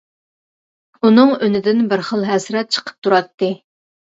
ئۇنىڭ ئۈنىدىن بىر خىل ھەسرەت چىقىپ تۇراتتى.